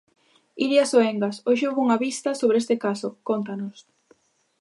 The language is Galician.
Iria Soengas, hoxe houbo unha vista sobre este caso, cóntanos.